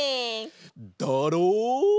だろう？